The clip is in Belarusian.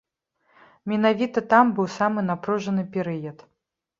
Менавіта там быў самы напружаны перыяд.